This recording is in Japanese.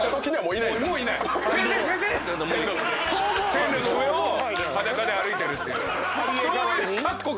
線路の上を裸で歩いてるっていうそういう。